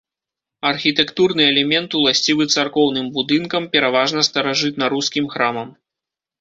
Архітэктурны элемент, уласцівы царкоўным будынкам, пераважна старажытнарускім храмам.